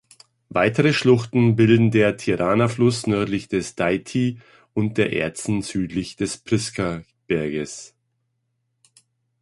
Weitere Schluchten bilden der Tirana-Fluss nördlich des Dajti und der Erzen südlich des Priska-Berges.